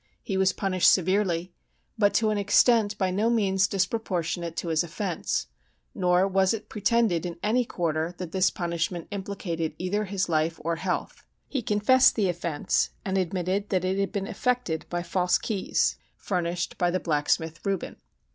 He was punished severely, but to an extent by no means disproportionate to his offence; nor was it pretended, in any quarter, that this punishment implicated either his life or health. He confessed the offence, and admitted that it had been effected by false keys, furnished by the blacksmith, Reuben.